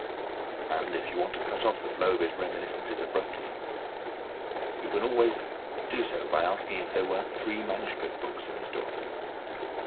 And if you want to cut off the flow of his reminiscences abruptly, you can always do so by asking if there weren't three manuscript books in the story.